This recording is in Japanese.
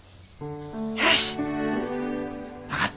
よし分かった。